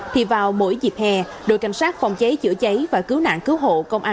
thì vào mỗi dịp hè đội cảnh sát phòng cháy chữa cháy và cứu nạn cứu hộ công an